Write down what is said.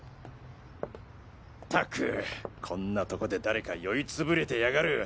ったくこんな所で誰か酔い潰れてやがる。